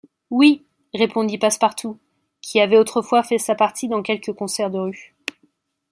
Oui, répondit Passepartout, qui avait autrefois fait sa partie dans quelques concerts de rue.